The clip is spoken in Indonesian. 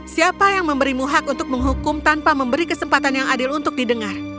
siapa yang memberimu hak untuk menghukum tanpa memberi kesempatan yang adil untuk didengar